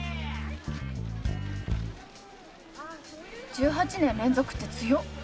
１８年連続って強っ！